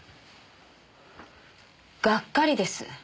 がっかりです。